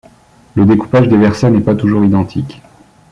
Le découpage des versets n'est pas toujours identique.